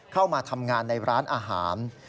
เข้ามาทำงานในร้านอาหาร